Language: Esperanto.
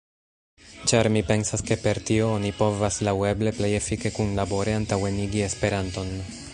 Ĉar mi pensas ke per tio oni povas laŭeble plej efike kunlabore antaŭenigi esperanton.